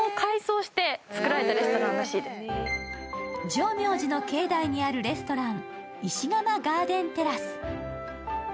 浄妙寺の境内にあるレストラン、石窯ガーテンテラス。